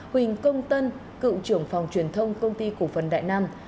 huyền công tân cựu trưởng phòng truyền thông công ty cộng phần đại nam